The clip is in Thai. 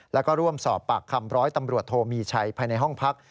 แล้วก็ร่วมสอบปากคำร้อยตำรวจโทมีชัยภายในห้องพัก